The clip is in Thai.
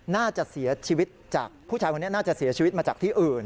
น่าจะเสียชีวิตจากผู้ชายคนนี้น่าจะเสียชีวิตมาจากที่อื่น